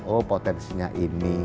oh potensinya ini